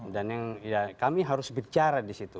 dan yang ya kami harus bicara di situ